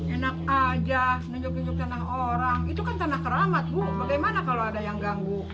enak aja nunjuk nunjuk tanah orang itu kan tanah keramat bu bagaimana kalau ada yang ganggu